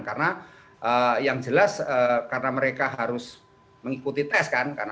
karena yang jelas karena mereka harus mengikuti tes kan